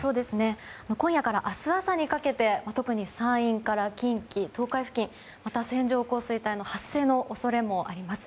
今夜から明日朝にかけて特に山陰から、近畿・東海付近また線状降水帯の発生の恐れもあります。